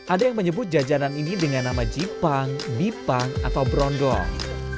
ada yang menyebut jajanan ini dengan nama jipang bipang atau berondong